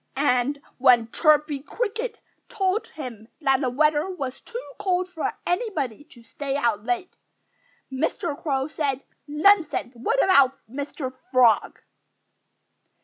And when Chirpy Cricket told him that the weather was too cold for anybody to stay out late, Mr. Crow said "Nonsense! What about Mr. Frog?"